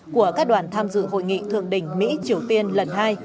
của các đoàn tham dự hội nghị thượng đỉnh mỹ triều tiên lần hai